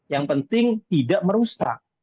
yang penting tidak merusak